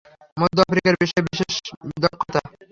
মধ্যে আফ্রিকার বিষয়ে বিশেষ দক্ষতা।